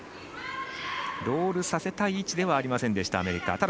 ロールさせたい位置ではありませんでした、アメリカ。